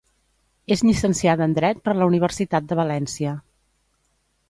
És llicenciada en dret per la Universitat de València.